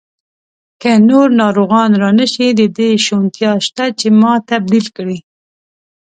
که نور ناروغان را نه شي، د دې شونتیا شته چې ما تبدیل کړي.